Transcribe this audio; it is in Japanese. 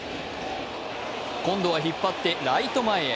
今度は引っ張ってライト前へ。